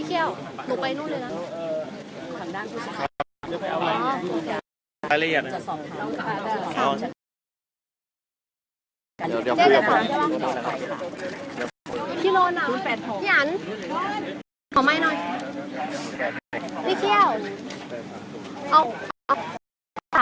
คนที่อยากรู้ค่ะจะเอาไหมอ่ะเดี๋ยวเราไป